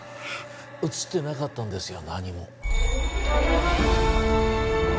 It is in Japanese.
写ってなかったんですよ